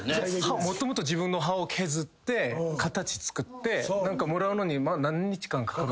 もともと自分の歯を削って形作ってもらうのに何日間。